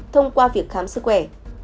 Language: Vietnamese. thông qua việc khám sức khỏe